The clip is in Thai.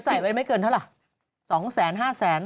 เธอใส่ไว้ไม่เกินเท่าไหร่๒แสน๕แสน